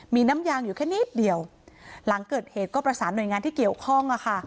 มีน้ำยางอยู่แค่นิดเดียวหลังเกิดเหตุก็ประสานหน่วยงานที่เกี่ยวข้องอ่ะค่ะ